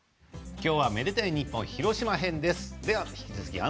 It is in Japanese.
今日は「愛でたいｎｉｐｐｏｎ」広島編です。